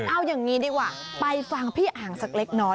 เอาอย่างนี้ดีกว่าไปฟังพี่อ่างสักเล็กน้อย